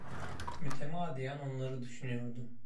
Mütemadiyen onları düşünüyordum.